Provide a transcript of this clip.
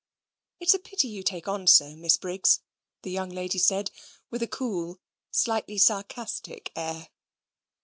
"It is a pity you take on so, Miss Briggs," the young lady said, with a cool, slightly sarcastic, air.